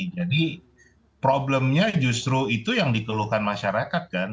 jadi problemnya justru itu yang dikeluhkan masyarakat kan